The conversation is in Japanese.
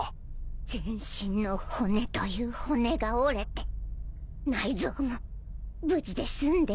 全身の骨という骨が折れて内臓も無事で済んでいるはずもない。